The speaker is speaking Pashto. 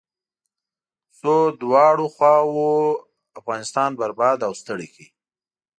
څو دواړو خواوو افغانستان برباد او ستړی کړ.